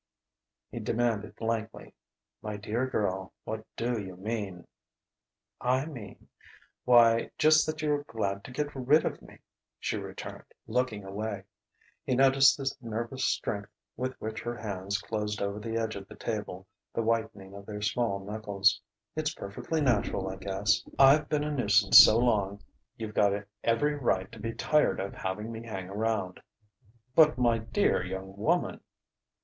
He demanded blankly: "My dear girl, what do you mean?" "I mean.... Why, just that you're glad to get rid of me!" she returned, looking away. He noticed the nervous strength with which her hands closed over the edge of the table, the whitening of their small knuckles.... "It's perfectly natural, I guess. I've been a nuisance so long, you've got every right to be tired of having me hang around " "But, my dear young woman